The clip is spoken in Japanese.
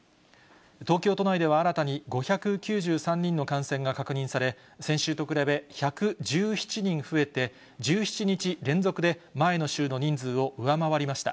東京都内では新たに５９３人の感染が確認され、先週と比べ１１７人増えて、１７日連続で前の週の人数を上回りました。